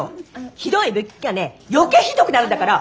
ひどいいびきがね余計ひどくなるんだから。